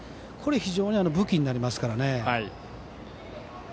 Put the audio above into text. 非常に武器になりますからね。